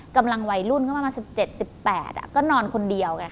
กำลังวัยรุ่นก็มามา๑๗๑๘ก็นอนคนเดียว